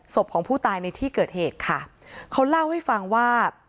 ของผู้ตายในที่เกิดเหตุค่ะเขาเล่าให้ฟังว่า